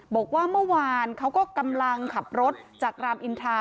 บอกว่าเมื่อวานเขาก็กำลังขับรถจากรามอินทรา